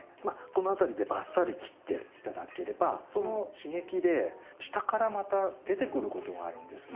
この辺りでバッサリ切って頂ければその刺激で下からまた出てくることがあるんです。